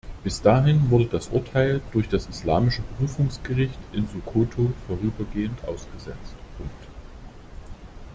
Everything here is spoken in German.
Bis dahin wurde das Urteil durch das Islamische Berufungsgericht in Sokoto vorübergehend ausgesetzt.